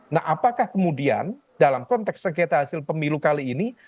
nah apakah kemudian dalam konteks sengketa hasil pemilu kali ini